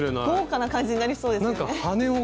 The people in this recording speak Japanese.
結構豪華な感じになりそうですよね。